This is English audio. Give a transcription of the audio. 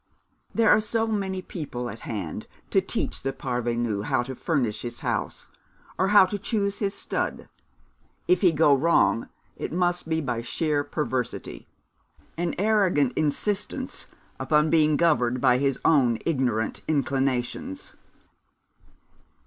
There are so many people at hand to teach the parvenu how to furnish his house, or how to choose his stud. If he go wrong it must be by sheer perversity, an arrogant insistence upon being governed by his own ignorant inclinations.